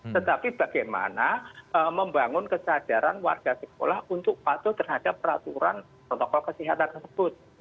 tetapi bagaimana membangun kesadaran warga sekolah untuk patuh terhadap peraturan protokol kesehatan tersebut